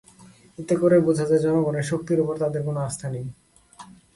এতে করে বোঝা যায়, জনগণের শক্তির ওপর তাদের কোনো আস্থা নেই।